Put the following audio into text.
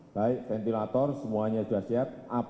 baik ventilator semuanya sudah siap apd juga siap